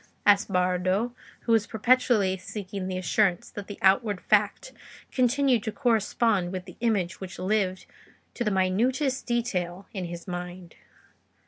asked Bardo, who was perpetually seeking the assurance that the outward fact continued to correspond with the image which lived to the minutest detail in his mind.